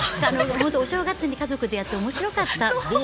お正月に家族でやっておもしろかった。